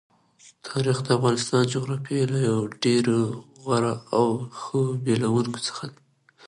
تاریخ د افغانستان د جغرافیې یو له ډېرو غوره او ښو بېلګو څخه دی.